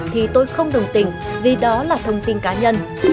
thì tôi không đồng tình vì đó là thông tin cá nhân